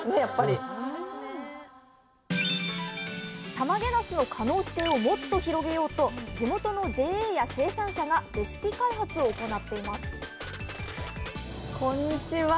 たまげなすの可能性をもっと広げようと地元のＪＡや生産者がレシピ開発を行っていますこんにちは！